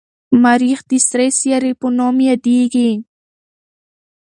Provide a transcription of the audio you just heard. مریخ د سرې سیارې په نوم یادیږي.